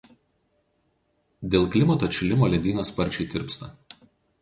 Dėl klimato atšilimo ledynas sparčiai tirpsta.